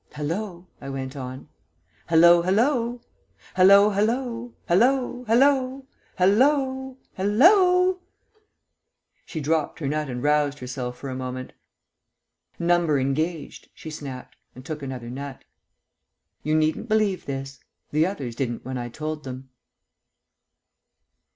"Hallo," I went on, "hallo, hallo ... hallo, hallo, HALLO, HALLO ... hallo, hallo " She dropped her nut and roused herself for a moment. "Number engaged," she snapped, and took another nut. ..... You needn't believe this. The others didn't when I told them.